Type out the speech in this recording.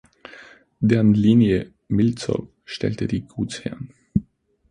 Deren Linie Miltzow stellte die Gutsherren.